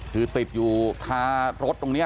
คือติดอยู่คารถตรงนี้